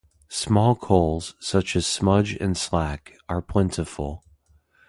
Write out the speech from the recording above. Small coals, such as smudge and slack, are plentiful.